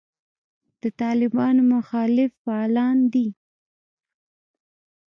د طالبانو مخالف فعالان دي.